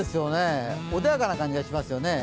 穏やかな感じがしますよね